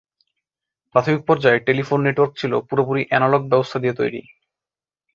প্রাথমিক পর্যায়ে telephone network ছিল পুরোপুরি অ্যানালগ ব্যবস্থা দিয়ে তৈরি।